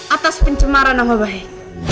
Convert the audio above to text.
atas pencemaran nama baik